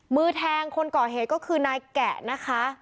มือแทงคนก่อเหตุก็คือนายแกะนะคะ